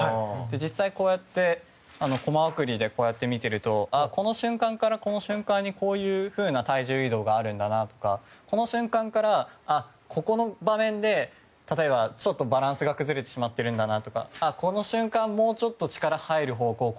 実際、こうやってコマ送りでこうやって見てるとこの瞬間からこの瞬間にこういうふうな体重移動があるんだなとかこの瞬間から例えばバランスが崩れてしまってるんだなとかこの瞬間もうちょっと力が入る方向は